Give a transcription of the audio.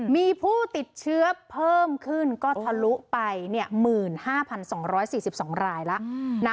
มีผู้ติดเชื้อเพิ่มขึ้นก็ทะลุไป๑๕๒๔๒รายแล้ว